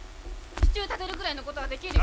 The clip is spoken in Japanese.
支柱立てるぐらいのごどはできるよ！